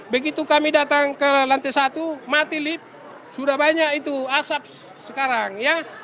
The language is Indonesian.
begitu kami datang ke lantai satu mati lift sudah banyak itu asap sekarang ya